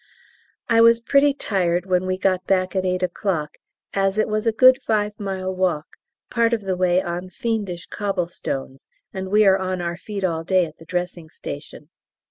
I was pretty tired when we got back at 8 o'clock, as it was a good five mile walk, part of the way on fiendish cobble stones, and we are on our feet all day at the Dressing Station.